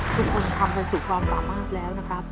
ทุกคนทำกันสู่ความสามารถแล้วนะครับ